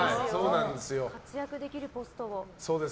活躍できるポストを。